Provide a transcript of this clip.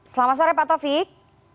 selamat sore pak taufik